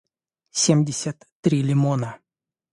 семьдесят три лимона